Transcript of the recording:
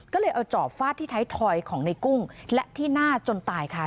ก็เลยเอาจอบฟาดที่ไทยทอยของในกุ้งและที่หน้าจนตายค่ะ